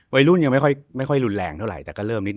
วัยรุ่นยังไม่ค่อยรุนแรงเท่าไหร่แต่ก็เริ่มนิด